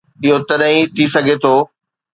اهو تڏهن ئي ٿي سگهي ٿو.